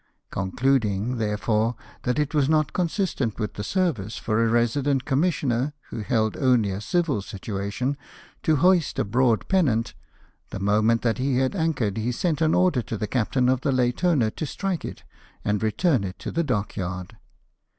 Concluding, therefore, that it was not consistent with the service for a resident commissioner, who held only a civil situation, to hoist a broad pennant, the moment that he had anchored he sent an order to the captain of the Latona to strike it, and return it to the dockyard.